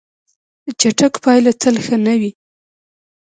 چټک پایله تل ښه نه وي.